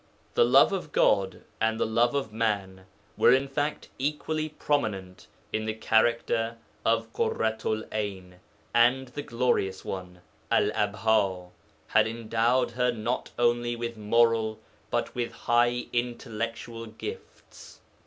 The love of God and the love of man were in fact equally prominent in the character of Ḳurratu'l 'Ayn, and the Glorious One (el Abha) had endowed her not only with moral but with high intellectual gifts.